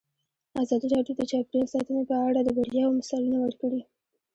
ازادي راډیو د چاپیریال ساتنه په اړه د بریاوو مثالونه ورکړي.